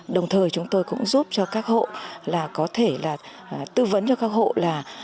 đồng thời chúng tôi cũng giúp cho các hộ là có thể là tư vấn cho các hộ là